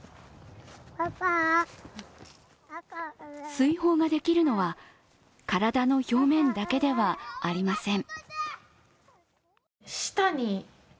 水ほうができるのは、体の表面だけではありません。